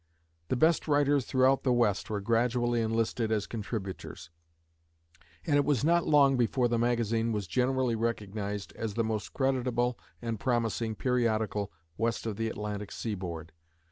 The best writers throughout the West were gradually enlisted as contributors; and it was not long before the magazine was generally recognized as the most creditable and promising periodical west of the Atlantic seaboard.